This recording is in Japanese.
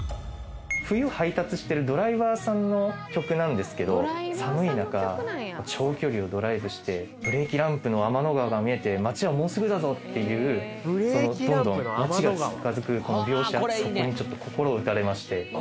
冬配達してるドライバーさんの曲なんですけど寒い中長距離をドライブしてブレーキランプの天の川が見えて街はもうすぐだぞっていうどんどん街が近づくこの描写そこにちょっと心を打たれましてああ